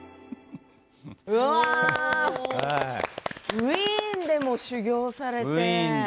ウィーンでも修業をされて。